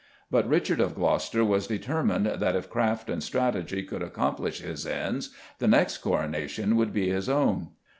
But Richard of Gloucester was determined that if craft and strategy could accomplish his ends the next coronation would be his own.